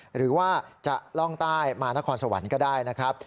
หรือว่าจะล่องใต้มานครสวรรค์ก็ได้นะครับ